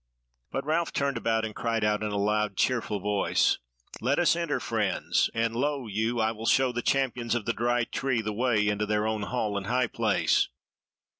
But Ralph turned about and cried out in a loud, cheerful voice: "Let us enter, friends! and lo you, I will show the Champions of the Dry Tree the way into their own hall and high place."